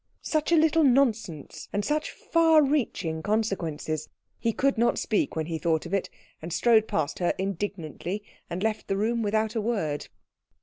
Such a little nonsense, and such far reaching consequences! He could not speak when he thought of it, and strode past her indignantly, and left the room without a word.